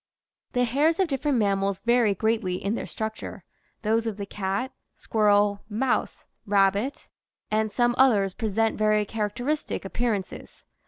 The hairs of different mammals vary greatly in their structure. Those of the cat, squirrel, mouse, rabbit, and 204 THE SEVEN FOLLIES OF SCIENCE some others present very characteristic appearances.